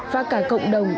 và cả cộng đồng